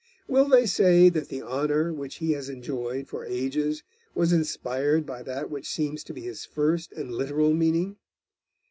Will they say that the honour which he has enjoyed for ages was inspired by that which seems to be his first and literal meaning?